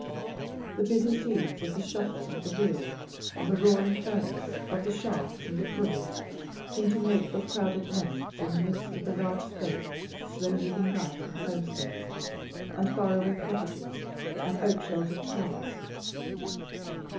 The busy scenes of the shuttle and the wheel, of the roaring furnace, of the shaft and the pulley, seemed to make but crowded nests in the midst of the large spaced, slow moving life of homesteads and far away cottages and oak sheltered parks.